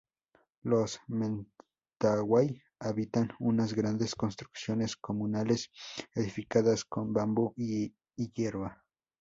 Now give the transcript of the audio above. Los "Mentawai" habitan unas grandes construcciones comunales edificadas con bambú y hierba.